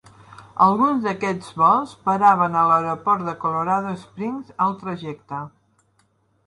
Alguns d'aquests vols paraven a l'aeroport de Colorado Springs al trajecte.